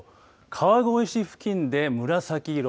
川越市付近で紫色。